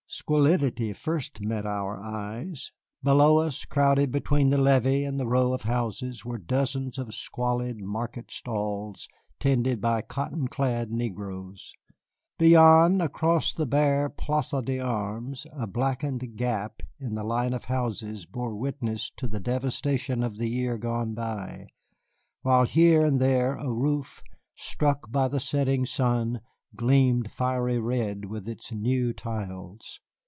Squalidity first met our eyes. Below us, crowded between the levee and the row of houses, were dozens of squalid market stalls tended by cotton clad negroes. Beyond, across the bare Place d'Armes, a blackened gap in the line of houses bore witness to the devastation of the year gone by, while here and there a roof, struck by the setting sun, gleamed fiery red with its new tiles.